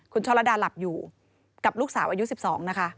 คุณช่อระดาหลับอยู่กับลูกสาวอายุ๑๒นะคะ